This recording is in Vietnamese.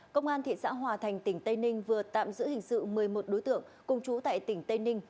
công an thị xã hòa thành tỉnh tây ninh vừa tạm giữ hình sự một mươi một đối tượng cùng chú tại tỉnh tây ninh